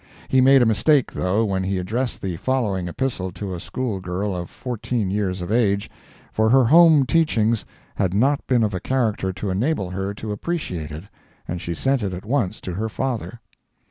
He made a mistake, though, when he addressed the following epistle to a school girl of fourteen years of age, for her home teachings had not been of a character to enable her to appreciate it, and she sent it at once to her father.